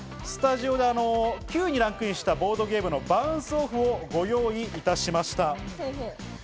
９位にランクインしたボードゲームの『バウンス・オフ！』をご用意しました。